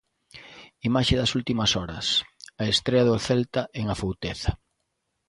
Imaxe das últimas horas, a estrea do Celta en Afouteza.